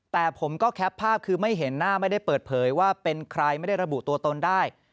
แต่ผมก็แคปภาพคือไม่เห็นหน้าไม่ได้เปิดเผยว่าเป็นใครไม่ได้ระบุตัวตนได้